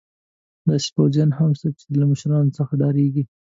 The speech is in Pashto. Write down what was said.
داسې پوځیان هم شته چې له مشرانو څخه ډارېږي.